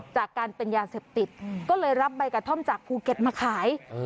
จากการเป็นยาเสพติดก็เลยรับใบกระท่อมจากภูเก็ตมาขาย